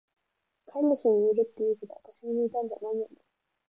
飼い主に似るって言うけど、わたしに似たんじゃないよね？